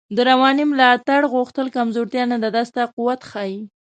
د روانی ملاتړ غوښتل کمزوتیا نده، دا ستا قوت ښایی